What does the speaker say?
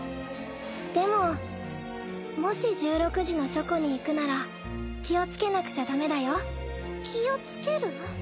でももし１６時の書庫に行くなら気をつけなくちゃダメだよ気をつける？